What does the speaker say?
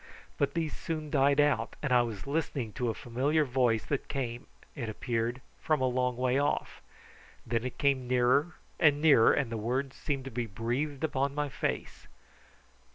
But these soon died out, and I was listening to a familiar voice that came, it appeared, from a long way off; then it came nearer and nearer, and the words seemed to be breathed upon my face.